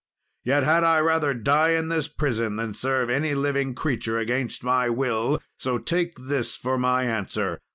Yet had I rather die in this prison than serve any living creature against my will. So take this for my answer.